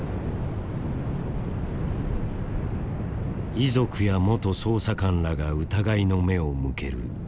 遺族や元捜査官らが疑いの目を向けるサウジアラビア。